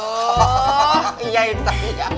hahaha iya itu